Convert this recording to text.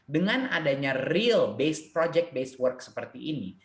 dengan adanya real based project based work seperti ini